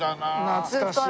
懐かしい。